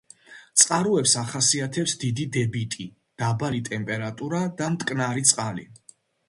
წყაროებს ახასიათებს დიდი დებიტი, დაბალი ტემპერატურა და მტკნარი წყალი.